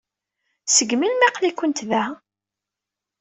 Seg melmi ay aql-ikent da?